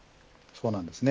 そうなんですね。